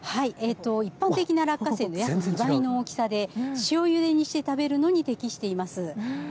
一般的な落花生の約２倍の大きさで塩ゆでにして食べるのに適しています。